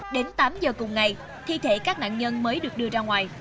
đến tám giờ cùng ngày thi thể các nạn nhân mới được đưa ra ngoài